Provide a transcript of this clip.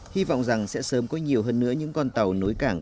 hy vọng rằng sẽ sớm có nhiều hơn nữa những con tàu nối cảng